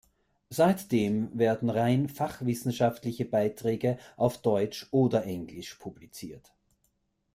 Seitdem werden rein fachwissenschaftliche Beiträge auf Deutsch oder Englisch publiziert.